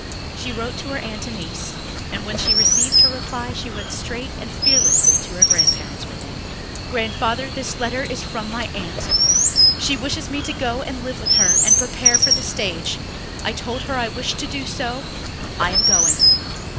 She wrote to her Aunt Annice, and when she received her reply she went straight and fearlessly to her grandparents with it. "Grandfather, this letter is from my aunt. She wishes me to go and live with her and prepare for the stage. I told her I wished to do so. I am going."